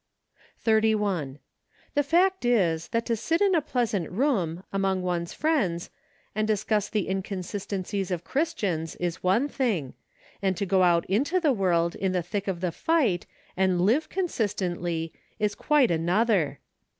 '* 31. The fact is, that to sit in a pleasant room, amoug one's friends, and discuss the inconsistencies of Christians, is one thing; and to go out into the world in the thick of the fight, and live consistently, is quite another.